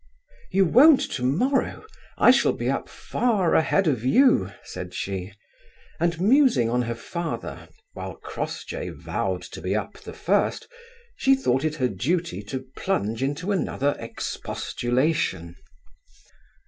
"You won't to morrow: I shall be up far ahead of you," said she; and musing on her father, while Crossjay vowed to be up the first, she thought it her duty to plunge into another expostulation.